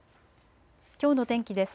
きょうの天気です。